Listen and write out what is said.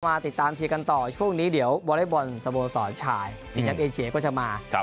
มาติดตามเชียร์กันต่อช่วงนี้เดี๋ยววอเล็กบอลสโมสรชายที่แชมป์เอเชียก็จะมา